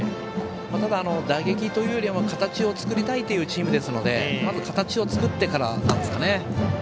ただ、打撃というよりは形を作りたいというチームですのでまず形を作ってからですかね。